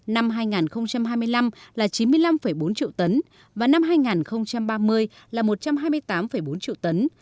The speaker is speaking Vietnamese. năm hai nghìn hai mươi năm là chín mươi năm bốn triệu tấn và năm hai nghìn ba mươi là một trăm hai mươi tám bốn triệu tấn